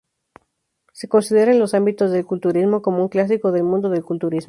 Se considera en los ámbitos del culturismo como un 'clásico del mundo del culturismo'.